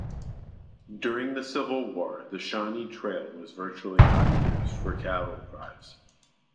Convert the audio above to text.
During the Civil War the Shawnee Trail was virtually unused for cattle drives.